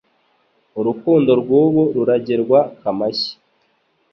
Urukundo rw'ubu ruragerwa k'amashyi